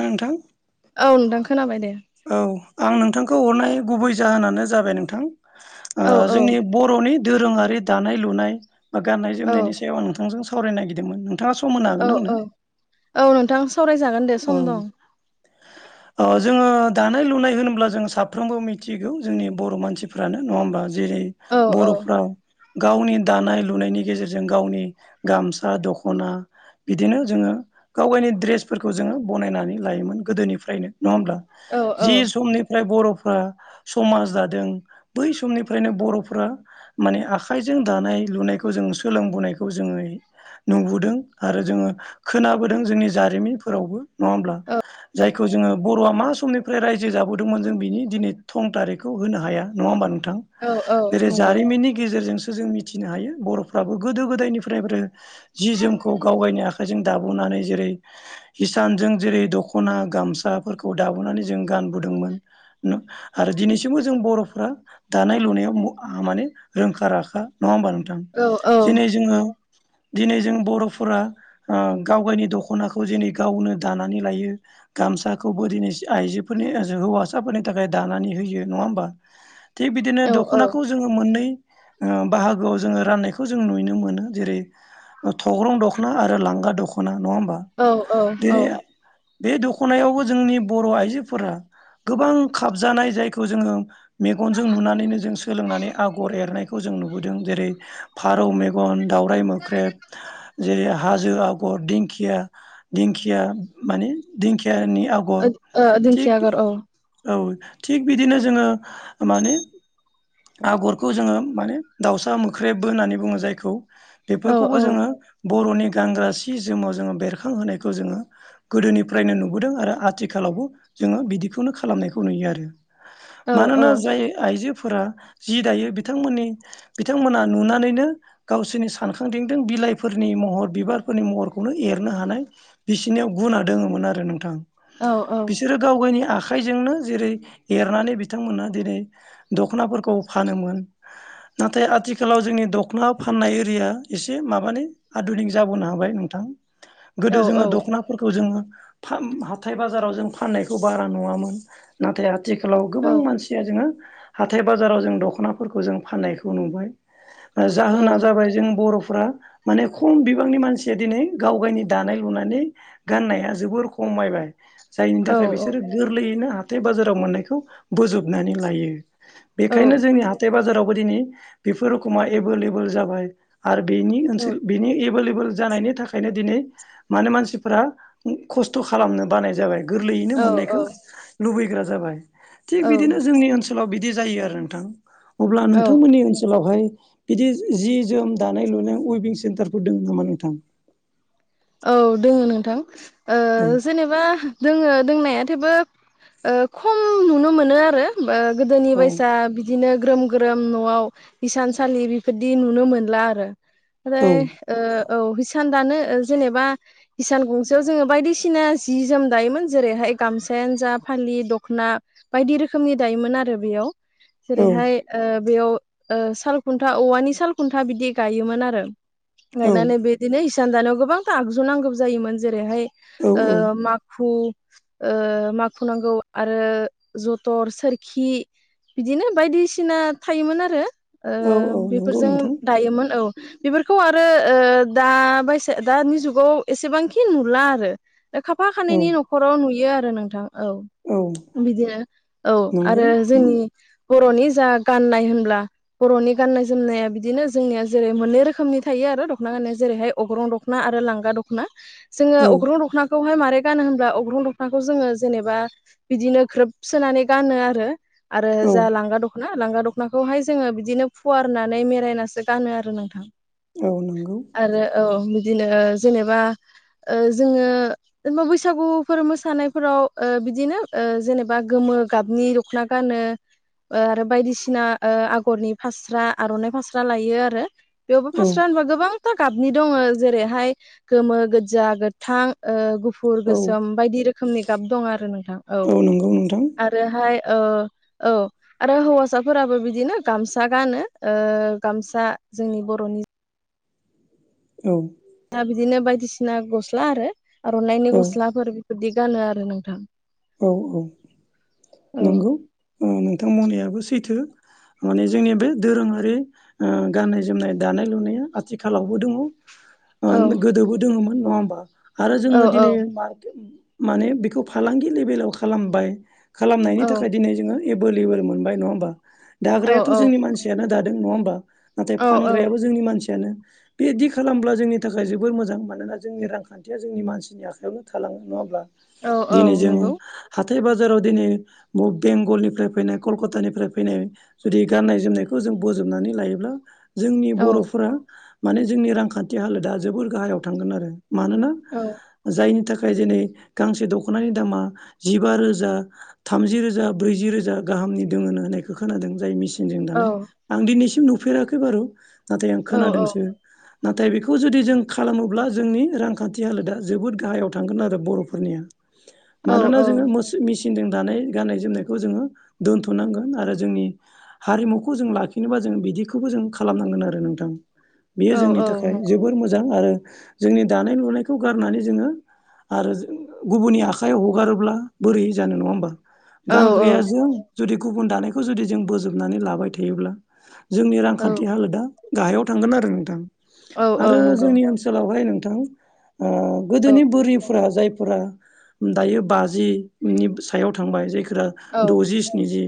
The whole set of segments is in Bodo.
आ नोंथां। औ नोंथां खोनाबाय दे। औ आं नोंथांखौ हरनाय गुबै जाहोनानो जाबाय नोंथां। ओ औ औ जोंनि बर'नि दोरोङारि दानाय, लुनाय बा गाननाय औ जोमनायनि सायाव आ नोंथांजों सावरायनो नागिरदोंमोन नों औ औ औ नोंथां सावरायजागोन दे औ सम दं। ओ जोङो दानाय लुनाय होनोब्ला जों साफ्रोमबो मिथिगौ जोंनि बर' मानसिफ्रानो नङा होमबा? जेरै औ औ बर'फ्राव गावनि दानाय लु लुनायनि गेजेरजों गावनि गामसा, दखना बिदिनो जोङो गाव गायनि द्रेस फोरखौ जोङो बनायनानै लायोमोन गोदोनिफ्रायनो। नङा होमब्ला औ औ जि समनिफ्राय बर' फ्रा समाज दादों बै समनिफ्रायनो बर'फ्रा माने आखाइजों दानाय लुनायखौ जों सोलोंबोनायखौ जोङो नुबोदों। आरो जोङो खोनाबोदों जोंनि जारिमिनफोरावबो नङा होमब्ला जायखौ जोङो। बर'आ मा समनिफ्राय रायजो जाबोदोंमोन जों बिनि दिनै थं थारिखखौ होनो हाया, नङा होमबा नों थां औ औ [unintelligible] नंगौ जारिमिननि गेजेरजोंसो जों मिथिनो हायो बर'फ्राबो गोदो गोदायनिफ्रायब्रो जि जोमखौ गावगायनि आखाइजों दाबुना नै जेरै हिसानजों जेरै दख'ना गामसाफोरखौ दाबोनानै जों गानबोदोंमोन नु आरो दिनैसिमबो जों बर'फ्रा दानाय लुनायाव म माने रोंखा राखा नङा होमबा नोंथां? औ औ दिनै जोङो दिनै जों बर'फोरा ओ गाव गायनि दख'नाखौ जेनै गावनो दानानै लायो गामसाखौबो दिनै आइजोफोरनि हौवासाफोरनि थाखाय दानानै होयो। होयो नङा होमबा? थिग बिदिनो औ दख'नाखौ जोङो मोननै ओ बाहागोआव जोङो राननायखौ जों नुयनो मोनो जेरै थग्रं दख'ना आरो लां गा दख'ना नङा होमबा? औ औ। बे औ ओ जाया बे दखनायावबो जोंनि बर आइजोफोरा गोबां खाबजानाय जायखौ जोङो मेगनजों नुनानैनो जों सोलोंनानै आगर एरनाय खौ जों नुबोदों जेरै फारौ मेगन, दाावराइ मोख्रेब, जेरै हाजो आगर दिखिया दिंखिया माने दिंखियानि आगर थिक दिंखिया बे आगर औ औ। थिग बिदिनो जोङो माने आगरखौ जोङो माने दाउसा मोख्रेबबो होननानै बुङो जायखौ। औ बेफोरखौबो औ जोङो बर'नि गानग्रा सि जोमाव जोङो बेरखांहोनाय खौ जोङो गोदोनिफ्रायनो नुबोदों आरो आथिखालावबो जोङो बिदिखौनो खालामनायखौ नुयो आरो। औ औ मानोना जाय आइजो फोरा जि दायो बिथांमोननि बिथांमोना नुनानैनो गावसोरनि सानखांदिंदों बि बिलाइफोरनि महर बिबारफोरनि महरखौनो एरनो हानाय बिसिनियाव गुना दङोमोन आरो नोंथां। औ औ औ बिसोरो गाव गावनि आख खाइजोंनो जेरै एरनानै बिथांमोनहा दिनै दख'नाफोरखौ फानोमोन नाथाय आथिखालाव जोंनि दखना फाननाय एरिया एसे माबानि आधुनिक जाबोनो हाबाय नोंथां। औ औ। फोरखौ जोङो हाथाय बाजाराव जों फाननायखौ बारा नुङामोन नाथाय आथिखालाव गोबां मानसिया जोङो हाथाय बाजाराव जों दखनाफोरखौ जों फाननायखौ नुबाय। जाहोना जाबाय जों बर' फ्रा माने खम बिबांनि मानसिया दिनै गाव गावनि दानाय लुनानै गाननाया जोबोर खमायबाय, जायनि थाखाय बिसोरो गोरलैयैनो हाथ थाय बाजाराव मोननायखौ बोजबनानै लायो। बेनिखायनो जोंनि हाथाय बाजाराव गोदोनि बेफोर खमा एबेलेबोल जाबाय आरो बेनि ओनसोल जानायनि थाखायनो दिनै माने मानसिफोरा खस्थ' खालामनो बानाय जाबाय। गोरलैयैनो मोननायखौ लुबैग्रा जाबाय, थिग बिदिनो जोंनि ओनसोलाव बिदि बिदि जायो आरो नोंथां। अब्ला औ औ नोंथांमोननि ओनसोलावहाय बिदि जि जोम दानाय लुनाय उइबिं सेन्टारफोर दोङो नामा नोंथां? औ दोङो नोंथां औ जेनेबा दोङो दोंनाया थेवबो ओ खम नुनो मोनो आरो गोदोनि औ बायसा बिदिनो ग्रोम ग्रोम न'आव हसानसालि बेफोरदि नुनो मोनला आरो। औ आ औ हिसानदानो जेनेबा हिसान गंसेयाव जोङो बायदिसिना जि जोम दायोमोन जेरैहाय गामसायानो जा फा दि दखना बायदि रोखोमनि दायोमोन आरो बेयाव औ जेरैहाय ओ बेयाव ओ सालखुन्था औवानि सालखुन्था बिदि गायोमोन आरो। औ गायनानै बिदिनो इसान दानायाव गोबांथ आगजु नांगौ जायोमोन जेरैहाय औ ओ माखु ओ माखु नांगौ आरो ज'थर, सोरखि बिदिनो बायदिसिना थायोमोन आरो। ओ औ औ नंगौ बेफोरजों नोंथां दायोमोन औ बेफोरखौ आरो ओ दा बायसा दानि जुगाव एसेबांखि नुला आरो खाफा औ खानैनि न'खराव नुयो आरो नोंथां औ औ बिदिनो औ नंगौ आरो जोंनि बरनि जा गाननाय होनब्ला बरनि गाननाय जोमनाया बिदिनो जोंनिया जेरै मोननै रोखोमनि थायो दखना गाननाय जेरैहाय अग्रं दखना आरो लांगा दखना जोङो औ अग्रं दखनाखौहाय मारै गानो होनब्ला अग्रं दखनाखौ जोङो जेनेबा बिदिनो ग्रोब सोनानै गानो आरो आरो औ जा लांगा दखना लांगा दखनाखौहाय जोङो बिदिनो फुवारनानै मेरायनानैसो गानो आरो नोंथां औ नंगौ आरो औ बिदिनो जेनेबा ओ जोङो बा बैसागु फोर मोसानायफोराव ओ बिदिनो जेनेबा गोमो गाबनि दख'ना गानो । ओ आरो बायदिसिना ओ आगरनि फास्रा आर'नाइ फास्रा लायो आरो । बेयावबो औ फास्रा होनबा गोबांथार गाबनि दङ' । जेरैहाय गोमो गोजा गोथां ओ गु फुर औ गोसोम बायदि रोखोमनि गाब दं आरो नोंथां औ नंगौ नोंथां आरोहाय ओ औ आरो हौवासाफोराबो बिदिनो गामसा गानो ओ गामसा जोंनि बर'नि । औ । दा बिदिनो बायदिसिना गस्ला आरो आर'नाइनि औ गस्लाफोर बिदि गानो आरो नोंथां । औ औ नंगौ नोंथां बुंनायाबो सैथो । माने जोंनि बे दोरोङारि ओ गाननाय-जोमनाय दानाय लुनाया आथिखालावबो दङ' । ओ औ गोदोबो दोङोमोन नङा होमबा आरो औ जोङो दिनै [unintelligible] माने बेखौ फालांगि लेभेलाव खालामबाय खालामनायनि औ थाखाय दिनै जोङो एभेलेबोल मोनबाय नङा होमबा औ दाग्रायाथ' जोंनि मानसियानो दादों नङा होमबा नाथाय औ फानग्रायाबो जोंनि मानसियानो । बेदि खालामब्ला जोंनि थाखाय जोबोर मोजां मानोना जोंनि रांखान्थिया जोंनि मानसिनि आखायावनो थालाङो नङा होमब्ला औ औ । जोङो हा थाय बाजाराव दिनै ब बेंगलनिफ्राय फैनाय कलकातानिफ्राय फैनाय जुदि गाननाय जोमनायखौ जों बोजबनानै लायोब्ला जोंनि औ बर'फ्रा माने जोंनि रांखान्थि हालोदा जोबोर गाहायाव थांगोन आरो । मानोना औ जायनि थाखाय जेनै गांसे दख'नानि दामा जिबा रोजा थामजि रोजा ब्रैजि रोजा गाहामनि दोङोनो होननायखौ खोनादों जाय मिसे नजों औ दानाय आं दिनैसिम नुफेराखै बारु नाथाय आं खोनादोंसो । नाथाय बेखौ जुदि जों खालामोब्ला जोंनि रांखान्थि हालोदा जोबोद गाहायाव थांगोन आरो बर'फोरनिया । औ मानोना जोङो मोस मि सिनजों दानाय गाननाय जोमनायखौ जोङो दोन्थ'नांगोन आरो जोंनि हारिमुखौ जों लाखिनोबा जों बिदिखौबो जों खालामनांगोन आरो नोंथां बेयो औ जोंनि औ थाखाय नंगौ जोबोर मोजां आरो जोंनि दानाय लुनायखौ गारनानै जोङो आरो जोङो गुबुननि आखाइआव हगारोब्ला बोरै जानो नङा होमबा औ गानग्राया जों जुदि गुबुन दानायखौ जुदि जों बोजोबनानै लाबाय थायोब्ला जोंनि रांखान्थि हालोदा गाहायाव थांगोन आरो नोंथां औ औ आरो नंगौ जोंनि ओनसोलावहाय नोंथां ओ औ गोदोनि बोरिफ्रा जायफोरा दायो बाजि नि सायाव थांबाय जायफोरा औ द'जि स्निजि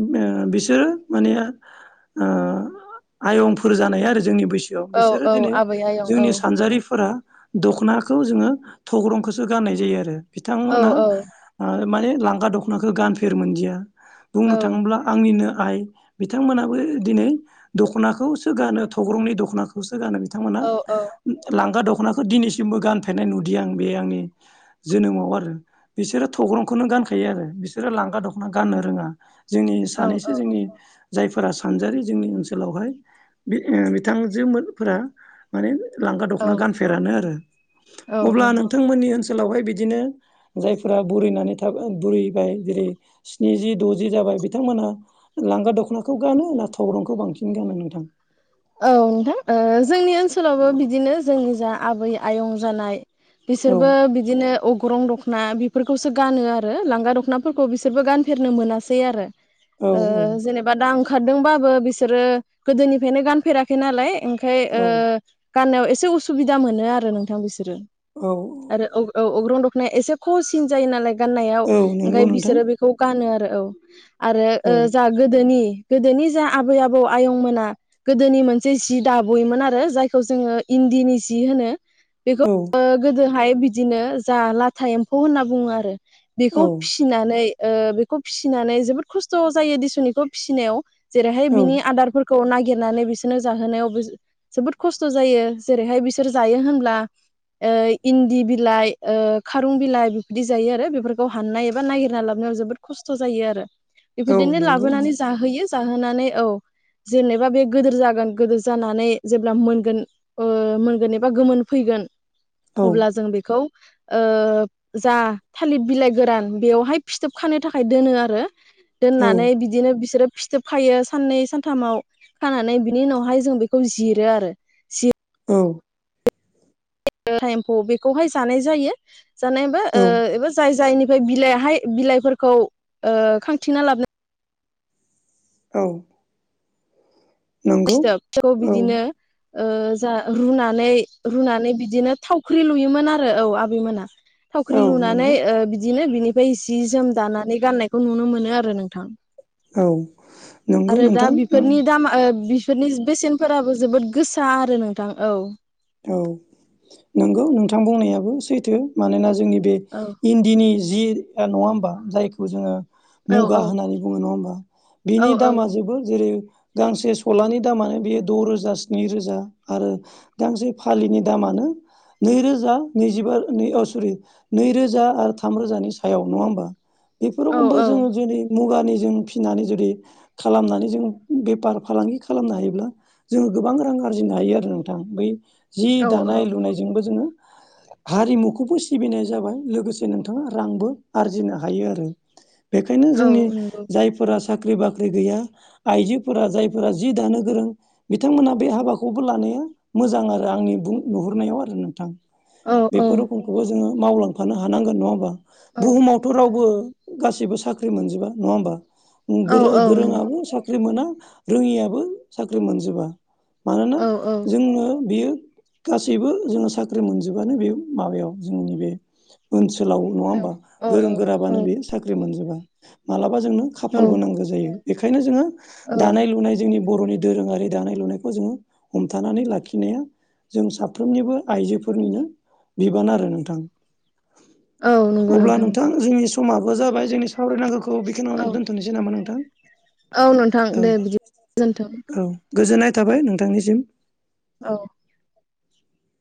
ओ बिसोरो माने आ आयंफोर जानाय आरो जोंनि बैसोआव बिसोरो औ औ दिनै आबै आयं औ जोंनि सानजारिफोरा दख'नाखौ जोङो थग्रंखौसो गाननाय जायो आरो औ बिथांमोना औ औ ओ माने लांगा दख'नाखो गानफेर मोनदिया औ बुंनो थाङोब्ला आंनिनो आइ बिथांमोनाबो दिनै दख'ना खौसो गानो थग्रंनि दख'नाखौसो गानो बिथांमोना औ लांगा दख'नाखौ दिनैसिमबो गानफेरनाय नुदिआ बे आंनि जोनोमाव आरो बिसोरो थग्रंखौनो गानखायो आरो बिसोरो लांगा दख'ना गाननो रोङा । जोंनि सानैसो औ जोंनि जायफोरा सानजारि जोंनि ओनसोलावहाय बि-बिथांजो मोनफोरा माने लांगा दख'ना औ गानफेरानो आरो औ अब्ला औ नोंथांमोननि ओनसोलावहाय बिदिनो जायफोरा बुरिनानै थाबाय बुरैबाय जेरै स्निजि द'जि जाबाय बिथांमोनहा लांगा दख'नाखौ गानो ना थग्रंखौ बांसिन गानो नोंथां? सोलावबो बिदिनो जोंनि जा आबै आयं जानाय औ बिसोरबो बिदिनो अग्रं दख'ना बि फोरखौसो गानो आरो लांगा दखनाफोरखौ बिसोरबो गानफेरनो मोनासै आरो। औ जेनेबा दा ओंखारदोंबाबो बिसोरो गोदोनिफ्रायनो गान फेराखै नालाय ओंखाय ओ गाननायाव एसे उसुबिदा मोनो आरो नोंथां बिसोरो। औ आरो औ औ अग्रं दखनाया एसे खहसिन जायो नालाय। गाननायाव औ ओंखाय नंगौ नोंथां बिसोरो बेखौ गानो आरो औ आरो औ जाहा गोदोनि गोदोनि जा आबै आबौ आयंमोना गोदोनि मोनसे जि दाबयोमोन आरो जायखौ जोङो इन्दिनि जि होनो। बेखौ औ गोदोहाय बिदिनो जा लाथा एम्फौ होनना बुङो आरो बेखौ औ फिनानै ओ बेखौ फिसिनानै जोबोद खस्थ' जायो दिसुन एखौ फिसिनायाव जेरैहाय औ बिनि आदारफोरखौ नागिरनानै बिसोरनो जाहोनायाव जोबोद खस्थ' जायो जेरैहाय बिसोर जायो होनब्ला इन्दि बिलाइ खारुं बिलाइ बेफोरदि जायो आरो बेफोरखौ हाननाय एबा नागिरना लाबोनो जोबोद खस्थ जायो आरो औ बेफोरदिनो नंगौ लाबोनानै जाहोयो जाहोनानै औ जेनेब बा बे गोदोर जागोन गोदोर जानानै जेब्ला मोनगोन ओ मोनगोन एबा गोमोन फैगोन औ अब्ला जों बेखौ ओ जा थालिर बिलाइ गोरान बेवहाय फिथोब खानो थाखाय दोनो आरो औ दोननानै बिदिनो बिसोरो फिथोबखायो साननै सानथामाव। खानानै बिनि उनावहाय जों बेखौ जिरो आरो जिर औ थाइम्फ' बेखौहाय जानाय जायो जानायबो औ ओ जाय जायनि ओमफ्राय बिलाइहाय बिलाइफोरखौ ओ खांथिना लाबोना औ नंगौ फिथोबखौ औ बिदिनो ओ जा रुनानै रुनानै बिदिनो थावख्रि लुयोमोन आरो औ आबैमोना। थावख्रि औ लुनानै नंगौ बिदिनो बिनिफ्राय जि जोम दानानै गाननायखौ नुनो मोनो आरो नोंथां। औ नंगौ आरो दा नोंथां बेफोरनि औ दामा ओ बि बिफोरनि बेसेनफोराबो जोबोद गोसा आरो नोंथां औ। औ नंगौ नोंथां बुंनायाबो सैथो मानोना जोंनि बे औ इन्दिनि जि नङा होमबा जायखौ जोङो औ मुगा औ होननानै बुङो नङा होमबा औ बिनि औ दामा जोबो जेरै गांसे सलानि दामानो बेयो द' रोजा स्नि रोजा आरो गांसे फालिनि दामानो नैरोजा नैजिबा नै अ सरि नैरोजा आरो थामरोजानि सायाव नङा होमबा। बेफोर औ रखमबो जोङो जेरै मुगा नि जों फिसिनानै जुदि खालामनानै जों बेफार फालांगि खालामनो हायोब्ला जोङो गोबां रां आरजिनो हायो आरो नोंथां बै जि औ दानाय औ लुनायजोंबो जोङो हारिमुखौबो सिबिनाय जाबाय लोगोसे नोंथाङा रांबो आरजिनो हायो आरो बेखायनो जोंनि औ नंगौ जायफोरा साख्रि बाख्रि गैया आइजोफोरा जायफोरा जि दानो गोरों बिथांमोनहा बे हाबाखौबो लानाया मोजां आरो आंनि बुं नुहुरनायाव आरो नोंथां औ औ बेफोर रोखोमखौबो जोङो मावलांफानो हानांगोन नङा होमबा औ बुहुमावथ' रावबो गासिबो साख्रि मोनजोबा नङा होमबा। औ गो औ नंगौ गोरोंङाबो साख्रि मोना रोङियाबो साख्रि मोनजोबा मानोना औ औ जोंनो बेयो गासैबो जोङो साख्रि मोनजोबानो बे माबायाव जोंनि बे ओनसोल आव नङा होमबा औ औ गोरों गोराबानो बेयो साख्रि मोनजोबा मालाबा अब्ला जोंनो औ खाफालबो नांगौ जायो बेखायनो जोङो औ दानाय लुनाय बर'नि दोरोङारि दानाय लुनायखौ जोङो हम होबथानानै लाखिनाया जों साफ्रोमनिबो आइजोफोरनिनो बिबान आरो नोंथां औ नंगौ अब्ला नोंथां नंगौ जोंनि समाबो जाबाय जोंनि सावरायनांगौखौ खौ बेखनावनो औ दोन्थ'नोसै नामा नोंथां औ नोंथां औ दे बिदि गोजोन्थों औ गोजोननाय थाबाय नोंथांनिसिम औ